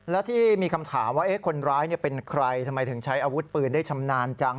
และที่มีคำถามว่าคนร้ายเป็นใครทำไมถึงใช้อาวุธปืนได้ชำนาญจัง